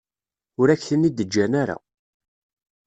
Ur ak-ten-id-ǧǧan ara.